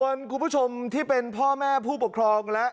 คุณผู้ชมที่เป็นพ่อแม่ผู้ปกครองและ